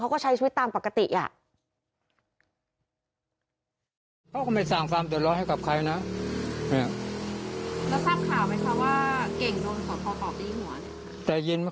เขาก็ใช้ชีวิตตามปกติอ่ะ